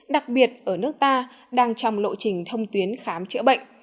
đặc biệt ở nước ta đang trong lộ trình thông tuyến khám chữa bệnh